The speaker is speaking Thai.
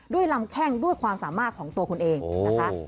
ลำแข้งด้วยความสามารถของตัวคุณเองนะคะ